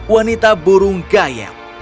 wanita burung gayel